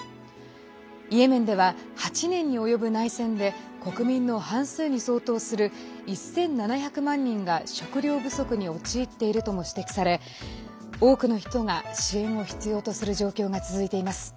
イエメンでは８年に及ぶ内戦で国民の半数に相当する１７００万人が食料不足に陥っているとも指摘され多くの人が支援を必要とする状況が続いています。